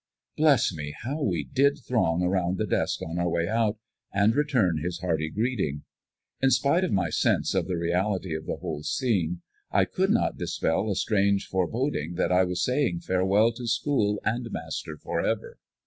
Bless me, how we did throng around the desk on our way out, and return his hearty greeting! In spite of my sense of the reality of the whole scene, I could not dispel a strange foreboding that I was saying farewell to school and master forever.